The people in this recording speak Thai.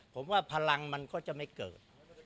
ผมว่าพลังมันก็จะไม่เกิด